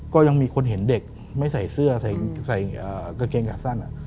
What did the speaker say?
ก็ยังมีคนเห็นเด็กไม่ใส่เสื้อใส่กางเกงขาสั้น